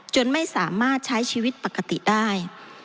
จนไม่สามารถใช้ชีวิตปกติได้